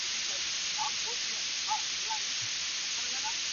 او چي غټ سي په ټولۍ کي د سیالانو؛